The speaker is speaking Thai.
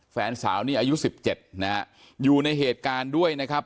แฟนสาวนี่อายุ๑๗นะฮะอยู่ในเหตุการณ์ด้วยนะครับ